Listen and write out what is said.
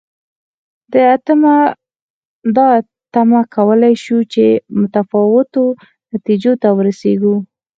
دا تمه کولای شو چې متفاوتو نتیجو ته ورسېږو.